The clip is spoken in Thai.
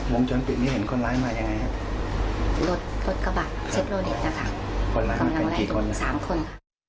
วงจรปิดนี้เห็นคนร้ายมายังไงครับรถกระบะเช็กลดนิดนะคะกำลังไล่ทั้ง๓คน